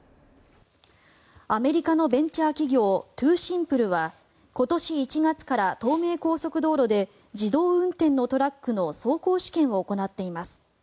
アメリカのベンチャー企業トゥーシンプルは今年１月から東名高速道路で自動運転のトラックの走行試験を行っています。